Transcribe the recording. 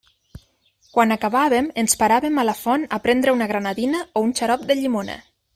Quan acabàvem, ens paràvem a la font a prendre una granadina o un xarop de llimona.